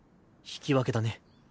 引き分けだね。